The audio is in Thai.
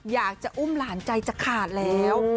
อยากจะอุ้มหลานใจจะขาดแล้ว